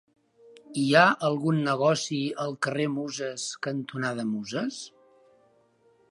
Hi ha algun negoci al carrer Muses cantonada Muses?